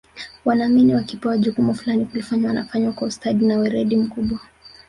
wanaamini wakipewa jukumu fulani kulifanya wanafanya kwa ustadi na weredi mkubwa